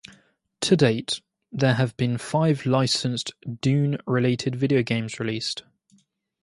To date, there have been five licensed "Dune"-related video games released.